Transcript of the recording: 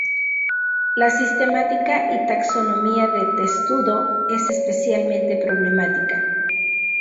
La sistemática y taxonomía de Testudo es especialmente problemática.